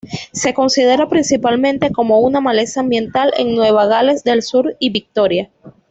Se considera principalmente como una maleza ambiental en Nueva Gales del Sur y Victoria.